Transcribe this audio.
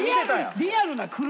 リアルな車好き